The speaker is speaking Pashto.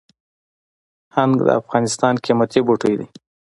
هنګ د افغانستان قیمتي بوټی دی